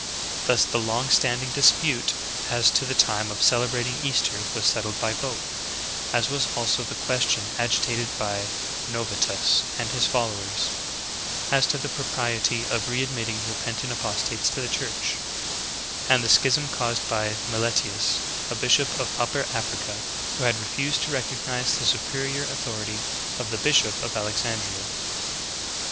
Thus the long standing dispute as to the time of celebrating Easter was settled by vote, as was also the question agitated by Novatus and his followers — as to the propriety of re admitting repentant apostates to the Church ; and the schism caused by Meletius, a bishop of Upper Africa, PERVERTED VIEW OF LIFE. 105 who had refused to recognize the superior authority of the bishop of Alexandria.